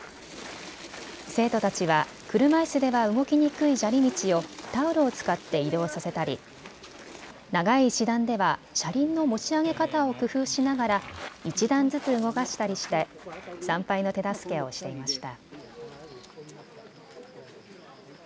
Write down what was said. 生徒たちは車いすでは動きにくい砂利道をタオルを使って移動させたり長い石段では車輪の持ち上げ方を工夫しながら１段ずつ動かしたりして参拝の手助けをしていました。